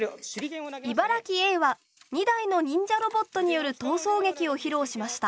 茨城Ａは２台の忍者ロボットによる逃走劇を披露しました。